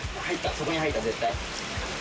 そこに入った絶対。